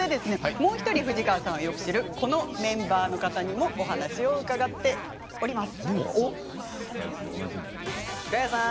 もう１人藤ヶ谷さんをよく知るこのメンバーにもお話を伺っています。